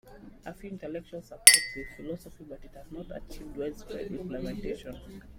A few intellectuals support the philosophy, but it has not achieved widespread implementation.